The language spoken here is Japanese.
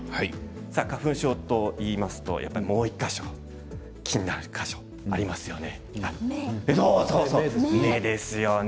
花粉症といいますと、もう１か所気になる箇所がありますよね。